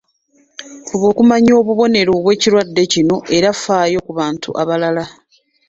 Fuba okumanya obubonero bw’ekirwadde kino era faayo ku bantu abalala.